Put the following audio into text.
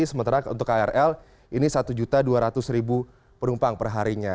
sementara untuk krl ini satu dua ratus penumpang perharinya